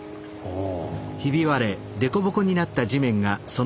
おお。